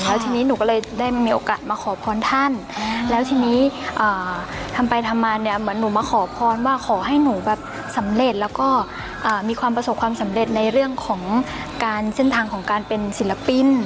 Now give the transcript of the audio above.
แล้วทีนี้หนูก็เลยได้มีโอกาสมาขอพรท่านแล้วทีนี้ทำไปทำมาเนี่ยเหมือนหนูมาขอพรว่าขอให้หนูแบบสำเร็จแล้วก็มีความประสบความสำเร็จในเรื่องของการเส้นทางของการเป็นศิลปิน